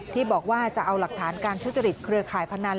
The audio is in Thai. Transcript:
ที่บอกว่าจะเอาหลักฐานการช่วยเจริตเครืองขายภนันด์